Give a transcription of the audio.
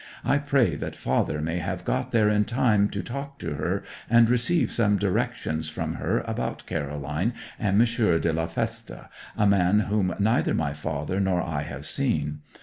I pray that father may have got there in time to talk to her and receive some directions from her about Caroline and M. de la Feste a man whom neither my father nor I have seen.